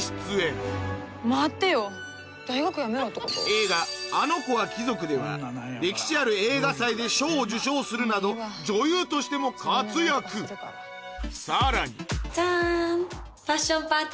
映画『あのこは貴族』では歴史ある映画祭で賞を受賞するなど女優としても活躍さらにジャン！